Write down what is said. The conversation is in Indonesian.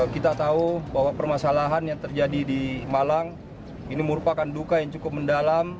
kita tahu bahwa permasalahan yang terjadi di malang ini merupakan duka yang cukup mendalam